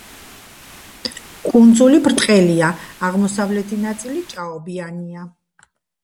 კუნძული ბრტყელია, აღმოსავლეთი ნაწილი ჭაობიანია.